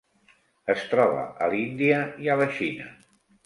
Es troba a l'Índia i a la Xina.